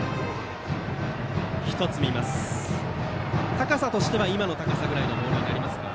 高さとしては今の高さぐらいのボールですか。